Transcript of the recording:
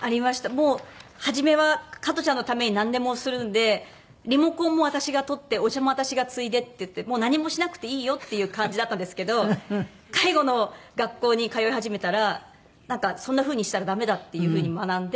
もう初めは加トちゃんのためになんでもするんでリモコンも私が取ってお茶も私がついでっていってもう何もしなくていいよっていう感じだったんですけど介護の学校に通い始めたらそんな風にしたらダメだっていう風に学んで。